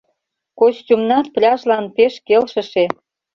Костюмнат пляжлан пеш келшыше.